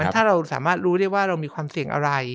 ถ้าเราสามารถรู้ได้ว่าเรามีความเสี่ยงอะไร